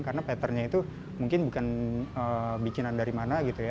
karena patternnya itu mungkin bukan bikinan dari mana gitu ya